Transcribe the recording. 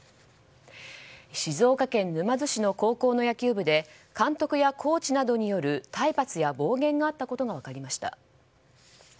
静岡県沼津市の高校の野球部で監督やコーチなどによる体罰や暴言があったことが分かりました。